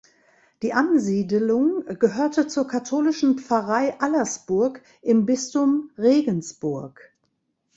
Die Ansiedelung gehörte zur katholischen Pfarrei Allersburg im Bistum Regensburg.